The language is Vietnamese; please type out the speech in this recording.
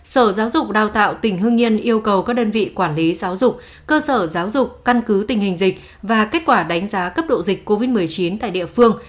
sở giáo dục đào tạo tỉnh hương yên yêu cầu các đơn vị quản lý giáo dục cơ sở giáo dục căn cứ tình hình dịch và kết quả đánh giá cấp độ dịch covid một mươi chín tại địa phương